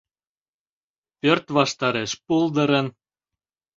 Пӧрт ваштареш пулдырын